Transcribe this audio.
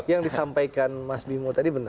yang disampaikan mas bimo tadi benar